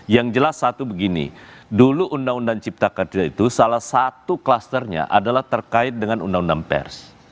yang jelas satu begini dulu undang undang cipta kerja itu salah satu klusternya adalah terkait dengan undang undang pers